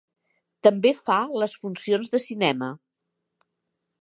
També fa les funcions de cinema.